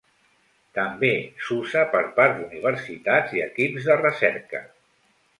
També s'usa per part d'universitats i equips de recerca.